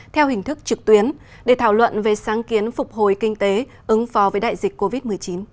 theo hình thức trực tuyến để thảo luận về sáng kiến phục hồi kinh tế ứng phó với đại dịch covid một mươi chín